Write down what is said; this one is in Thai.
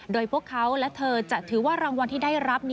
โดยพวกเขาและเธอจะถือว่ารางวัลที่ได้รับ